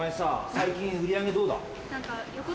最近売り上げどうだ？何か。